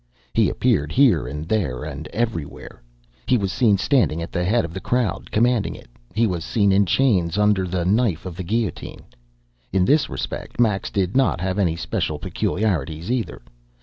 He appeared here and there and everywhere. He was seen standing at the head of the crowd, commanding it; he was seen in chains and under the knife of the guillotine. In this respect Max did not have any special peculiarities, either.